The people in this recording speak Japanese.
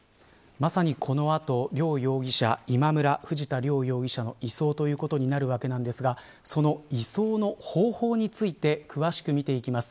まさにこの後、両容疑者今村、藤田両容疑者の移送ということになるわけなんですがその移送の方法について詳しく見ていきます。